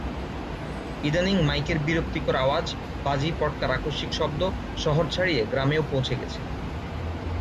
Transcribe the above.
ইদানিং মাইকের বিরক্তিকর আওয়াজ, বাজি-পটকার আকস্মিক শব্দ শহর ছাড়িয়ে গ্রামেও পৌছে গেছে।